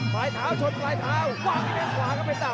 ปลายเท้าชดปลายเท้าว่างที่ด้านขวาก็ไปต่ำ